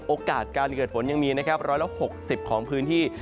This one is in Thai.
โอกาสการเกิดฝนยังมีนะครับ๑๖๐ของพื้นที่